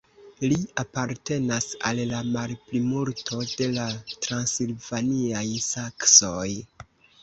Li apartenas al la malplimulto de la transilvaniaj saksoj.